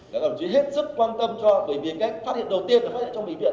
các đồng chí hết sức quan tâm cho bởi vì cách phát hiện đầu tiên là phát hiện trong bệnh viện